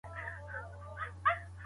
مسلمان پلار بې هدفه پرېکړه نه کوي.